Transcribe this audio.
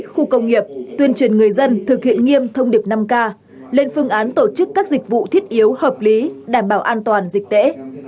khu công nghiệp tuyên truyền người dân thực hiện nghiêm thông điệp năm k lên phương án tổ chức các dịch vụ thiết yếu hợp lý đảm bảo an toàn dịch tễ